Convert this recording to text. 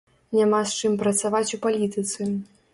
Няма з чым працаваць у палітыцы!